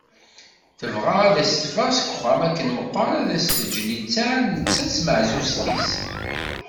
Tebɣa ad as-teffeɣ seg uxxam akken meqqar ad as-teǧǧ listeɛ netta d tmeɛzuzt-is.